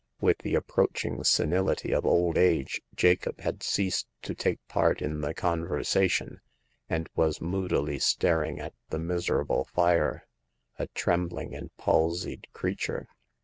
With the approaching senility of old age, Jacob had ceased to take part in the conversation, and was moodily staring at the miserable fire, a trembling and palsied creature.